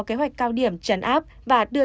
kế hoạch cao điểm trấn áp và đưa